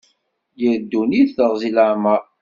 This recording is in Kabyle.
Yir ddunit teɣzi n leɛmer.